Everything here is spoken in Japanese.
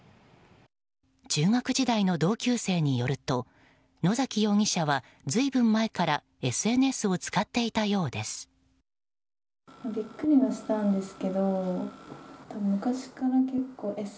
中学時代の同級生によると野崎容疑者は随分前からＳＮＳを使っていたようです。